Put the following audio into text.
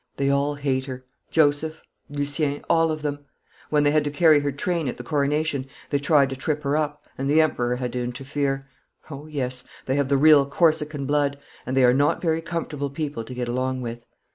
They all hate her, Joseph, Lucien all of them. When they had to carry her train at the coronation they tried to trip her up, and the Emperor had to interfere. Oh yes, they have the real Corsican blood, and they are not very comfortable people to get along with.'